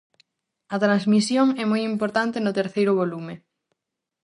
A transmisión é moi importante no terceiro volume.